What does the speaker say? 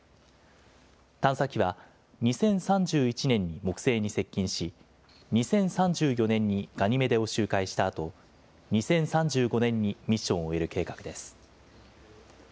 探査機は２０３１年に木星に接近し、２０３４年にガニメデを周回したあと、２０３５年にミッションを終える計画です。